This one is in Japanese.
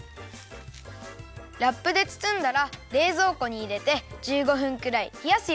ラップでつつんだられいぞうこにいれて１５分くらいひやすよ。